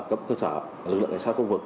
cấp cơ sở lực lượng nhà sát khu vực